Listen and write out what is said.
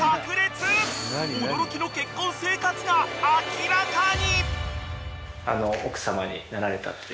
［驚きの結婚生活が明らかに！］